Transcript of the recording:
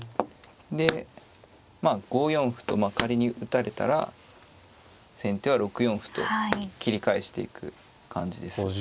でまあ５四歩と仮に打たれたら先手は６四歩と切り返していく感じです。